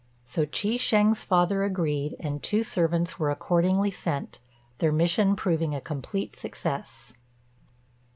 So Chi shêng's father agreed, and two servants were accordingly sent, their mission proving a complete success.